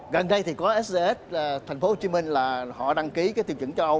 gần đây thì có sds thành phố hồ chí minh là họ đăng ký cái tiêu chuẩn cho âu